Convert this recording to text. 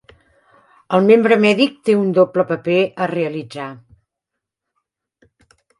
El membre mèdic té un doble paper a realitzar.